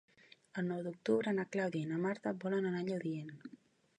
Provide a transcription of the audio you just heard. El nou d'octubre na Clàudia i na Marta volen anar a Lludient.